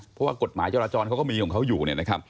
เพราะว่ากฎหมายจราจรเขาก็มีของเขาอยู่